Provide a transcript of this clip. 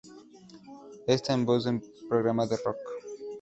Está En Vos es un programa de rock.